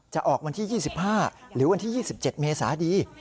ออกวันที่๒๕หรือวันที่๒๗เมษาดี